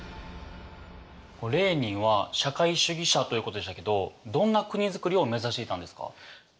レーニンは社会主義者ということでしたけどどんな国づくりを目指していたんですか？